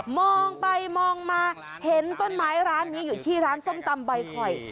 มองไปมองมาเห็นต้นไม้ร้านนี้อยู่ที่ร้านส้มตำใบคอย